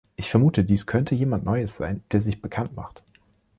Ich vermute, dies könnte jemand Neues sein, der sich bekannt macht.